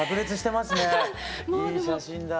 いい写真だ。